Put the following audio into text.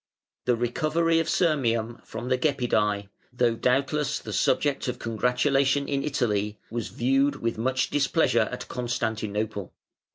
The recovery of Sirmium from the Gepidæ, though doubtless the subject of congratulation in Italy, was viewed with much displeasure at Constantinople.